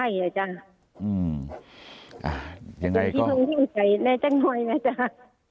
อย่างไรก็ชิคกี้พายชื่อใจแน่แจ้งน้อยนะจ๊ะ